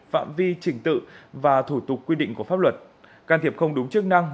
phạm vi trình tự và thủ tục quy định của pháp luật can thiệp không đúng chức năng